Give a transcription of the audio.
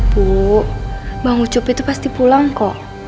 bu bang ucup itu pasti pulang kok